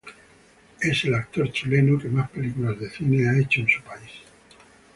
Es el actor chileno que más películas de cine ha hecho en su país.